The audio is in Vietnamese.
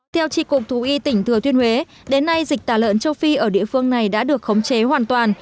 theo trị cục thú y tỉnh thừa thiên huế đến nay dịch tả lợn châu phi ở địa phương này đã được khống chế hoàn toàn